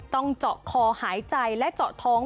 ต้องเจาะคอหายใจและเจาะท้อง